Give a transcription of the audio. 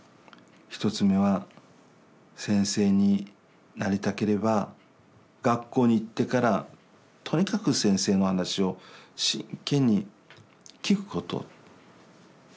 １つ目は先生になりたければ学校に行ってからとにかく先生の話を真剣に聞くこと。